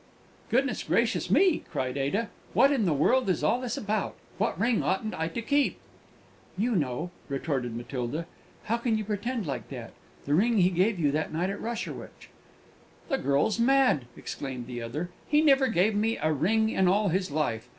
"Goodness gracious me!" cried Ada. "What in the world is all this about? What ring oughtn't I to keep?" "You know!" retorted Matilda. "How can you pretend like that? The ring he gave you that night at Rosherwich!" "The girl's mad!" exclaimed the other. "He never gave me a ring in all his life!